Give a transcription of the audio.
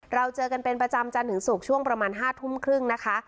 เราเจอกันเป็นประจำจันทร์ถึงศุกร์ช่วงประมาณ๕ทุ่มครึ่งนะคะ